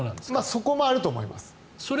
それもあると思います。